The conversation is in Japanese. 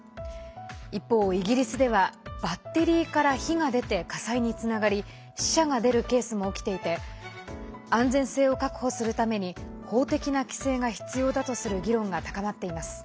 一方、イギリスではバッテリーから火が出て火災につながり死者が出るケースも起きていて安全性を確保するために法的な規制が必要だとする議論が高まっています。